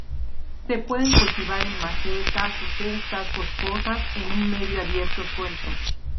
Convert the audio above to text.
Se pueden cultivar en macetas o cestas boscosas en un medio abierto suelto.